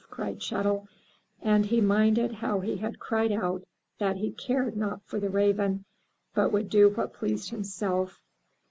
*' cried Chet'l, and he minded how he had cried out that he cared not for the Raven, but would do what pleased himself.